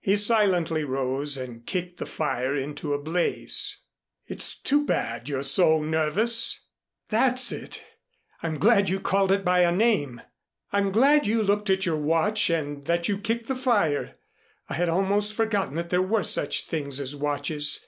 He silently rose and kicked the fire into a blaze. "It's too bad you're so nervous." "That's it. I'm glad you called it by a name. I'm glad you looked at your watch and that you kicked the fire. I had almost forgotten that there were such things as watches.